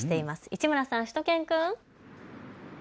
市村さん、しゅと犬くん。